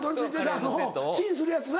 チンするやつな。